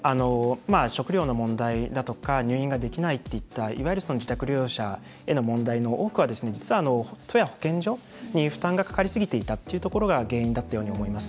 食料の問題だとか入院ができないといった自宅療養者への問題の多くは都や保健所に負担がかかりすぎていたということが原因だったように思います。